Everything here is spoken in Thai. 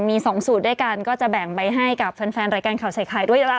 มี๒สูตรด้วยกันก็จะแบ่งไปให้กับแฟนรายการข่าวใส่ไข่ด้วยนะ